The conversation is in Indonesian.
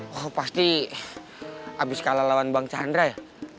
oh pasti habis kalah lawan bang chandra ya